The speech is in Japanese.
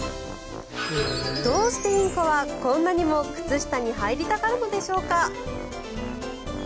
どうしてインコはこんなにも靴下に入りたがるのでしょうか。